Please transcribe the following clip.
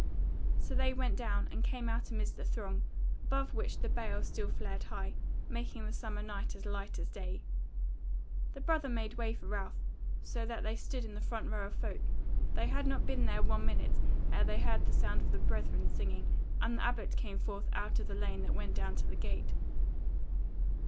So they went down, and came out amidst the throng, above which the bale still flared high, making the summer night as light as day. The brother made way for Ralph, so that they stood in the front row of folk: they had not been there one minute ere they heard the sound of the brethren singing, and the Abbot came forth out of the lane that went down to the gate.